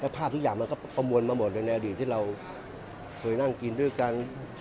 ภาพทุกอย่างมันก็ประมวลมาหมดเลยในอดีตที่เราเคยนั่งกินด้วยกัน